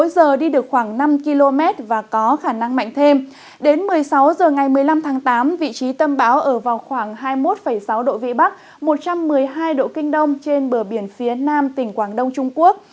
đến một mươi sáu h ngày một mươi năm tháng tám vị trí tâm bão ở vào khoảng hai mươi một sáu độ vĩ bắc một trăm một mươi hai độ kinh đông trên bờ biển phía nam tỉnh quảng đông trung quốc